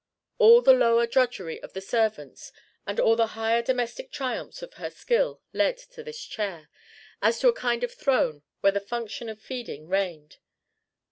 All the lower drudgery of the servants and all the higher domestic triumphs of her skill led to his chair as to a kind of throne where the function of feeding reigned.